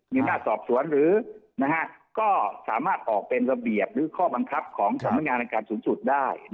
มีหน้าสอบสวนหรือก็สามารถออกเป็นระเบียบหรือข้อบังคับของสำนักงานอาการสูงสุดได้